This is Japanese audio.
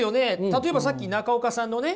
例えばさっき中岡さんのね